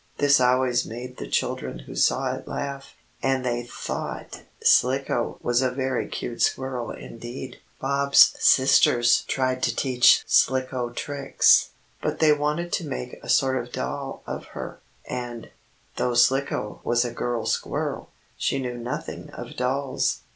This always made the children who saw it laugh, and they thought Slicko was a very cute squirrel indeed. Bob's sisters tried to teach Slicko tricks. But they wanted to make a sort of doll of her, and, though Slicko was a girl squirrel, she knew nothing of dolls.